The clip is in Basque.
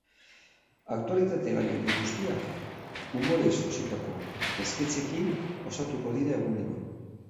Aktualitate gai horiek guztiak, umorez jositako esketxekin osatuko dira egunero.